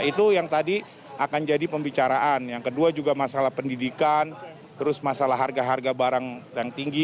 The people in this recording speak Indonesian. itu yang tadi akan jadi pembicaraan yang kedua juga masalah pendidikan terus masalah harga harga barang yang tinggi